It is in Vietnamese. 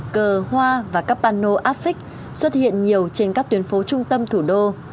cờ hoa và các banno áp phích xuất hiện nhiều trên các tuyến phố trung tâm thủ đô